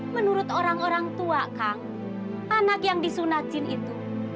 menurut orang orang tua kang anak yang disunatin itu